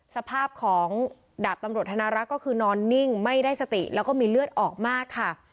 สภาพของดาบตำรวจธนารักษ์ก็คือนอนนิ่งไม่ได้สติแล้วก็มีเลือดออกมากค่ะ